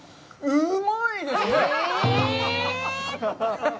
うまいですね。